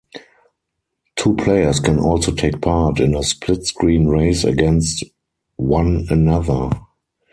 Two players can also take part in a split-screen race against one another.